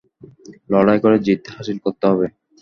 লড়াই করে জিত হাসিল করতে হবে!